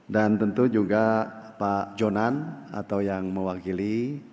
dan tentu juga pak jonan atau yang mewakili